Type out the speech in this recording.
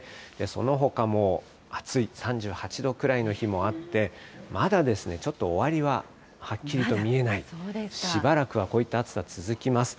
そのほかも暑い、３８度くらいの日もあって、まだちょっと終わりははっきりと見えない、しばらくはこういった暑さ続きます。